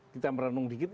kita merenung dikit